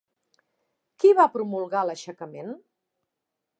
Qui va promulgar l'aixecament?